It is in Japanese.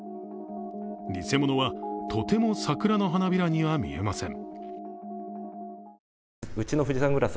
偽物はとても桜の花びらには見えません。